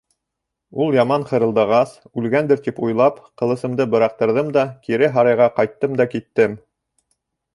Ул яман хырылдағас, үлгәндер тип уйлап, ҡылысымды быраҡтырҙым да кире һарайға ҡайттым да киттем.